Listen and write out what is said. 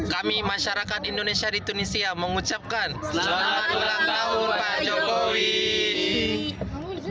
kami masyarakat indonesia di tunisia mengucapkan selamat ulang tahun pak jokowi